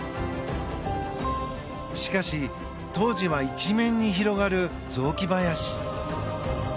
しかし、当時は一面に広がる雑木林。